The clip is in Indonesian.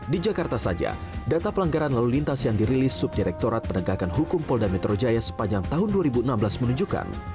di jakarta saja data pelanggaran lalu lintas yang dirilis subdirektorat penegakan hukum polda metro jaya sepanjang tahun dua ribu enam belas menunjukkan